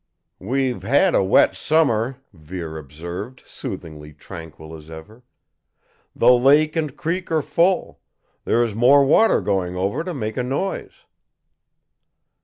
"We've had a wet summer," Vere observed, soothingly tranquil as ever. "The lake and creek are full. There is more water going over to make a noise."